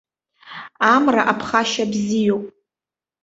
Амра аԥхашьа бзиоуп.